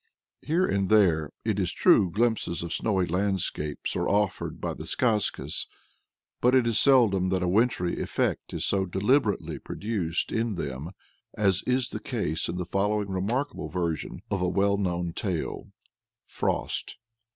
Here and there, it is true, glimpses of snowy landscapes are offered by the skazkas. But it is seldom that a wintry effect is so deliberately produced in them as is the case in the following remarkable version of a well known tale. FROST.